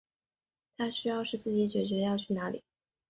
他需要是自己决定要去哪里